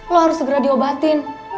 lu harus segera diobatin